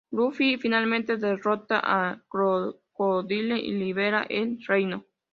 Luffy finalmente derrota a Crocodile y libera el reino.